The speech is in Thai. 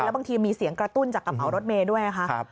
บางทีมีเสียงกระตุ้นจากกระเป๋ารถเมย์ด้วยนะคะ